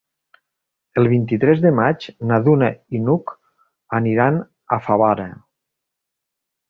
El vint-i-tres de maig na Duna i n'Hug aniran a Favara.